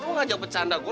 lo ngajak bercanda gue